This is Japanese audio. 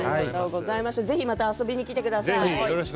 ぜひまた遊びに来てください。